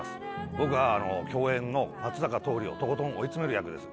僕は共演の松坂桃李をとことん追い詰める役です。